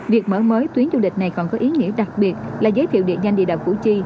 việc mở mới tuyến du lịch này còn có ý nghĩa đặc biệt là giới thiệu địa danh địa đạo củ chi